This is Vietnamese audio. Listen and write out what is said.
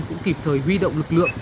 nên cũng kịp thời huy động lực lượng